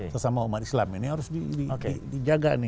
sesama umat islam ini harus dijaga nih